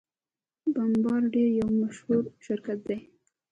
بمبارډیر یو مشهور شرکت دی.